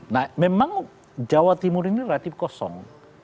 nah memang jawa timur ini relatif kosong